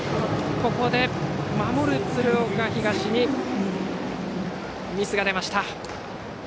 ここで守る鶴岡東にミスが出ました。